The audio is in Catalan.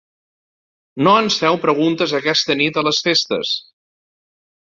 No ens feu preguntes aquesta nit a les festes.